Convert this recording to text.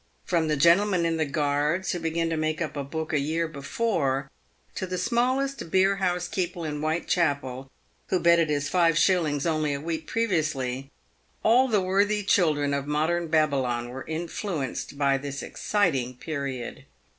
From the gentlemen in the Guards, who began to make up a book a year before, to the. smallest beerhouse keeper in "Whitechapel, who betted his five shillings only a week previously, all the worthy children of modern Babylon were influenced by this exciting period.